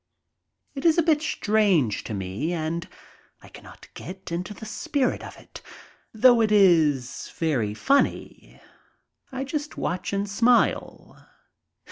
It is a bit strange to me and I cannot get into the spirit of it, though it is very funny. I just watch and smile.